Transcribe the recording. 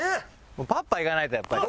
もうパッパいかないとやっぱり。